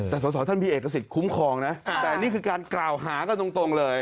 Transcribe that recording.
แต่สอสอท่านมีเอกสิทธิคุ้มครองนะแต่นี่คือการกล่าวหากันตรงเลย